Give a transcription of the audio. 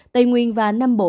tây nguyên và nam bộ